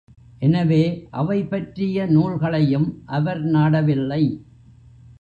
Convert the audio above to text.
எனவே, அவை பற்றிய நூல்களையும் அவர் நாடவில்லை.